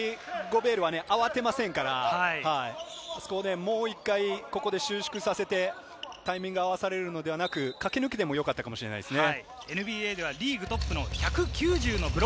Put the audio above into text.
あまりゴベールは慌てませんから、あそこをもう一回収縮させて、タイミングを合わされるのではなく、駆け抜けてもよかったのではないですかね。